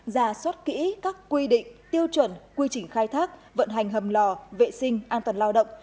ra soát kỹ các quy định tiêu chuẩn quy trình khai thác vận hành hầm lò vệ sinh an toàn lao động